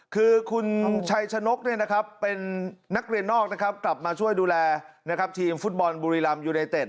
คือคุณชัยชนกเป็นนักเรียนนอกนะครับกลับมาช่วยดูแลทีมฟุตบอลบุรีรำยูไนเต็ด